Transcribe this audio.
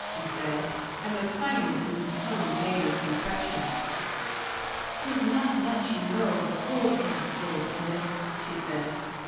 he said; and the kindness in his tone made its impression. "'Tis not much ye know of a coal camp, Joe Smith," she said.